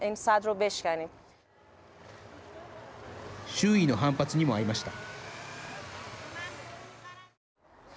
周囲の反発にもあいました。